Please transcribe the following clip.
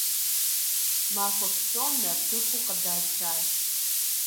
Махуэ псом нартыху къыдачащ.